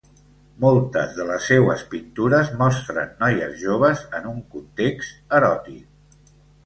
Moltes de les seues pintures mostren noies joves en un context eròtic.